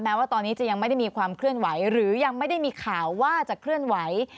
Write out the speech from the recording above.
ว่าตอนนี้จะยังไม่ได้มีความเคลื่อนไหวหรือยังไม่ได้มีข่าวว่าจะเคลื่อนไหว